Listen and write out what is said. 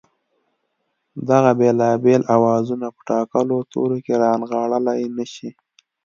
دغه بېلابېل آوازونه په ټاکلو تورو کې رانغاړلای نه شي